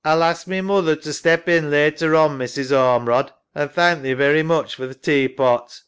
A'll ask my moother to step in later on, Mrs. Ormerod, and thank thee very much for th' tea pot.